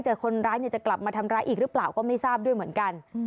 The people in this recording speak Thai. คนร้ายจะกลับมาทำร้ายอีกหรือเปล่าก็ไม่ทราบด้วยเหมือนกัน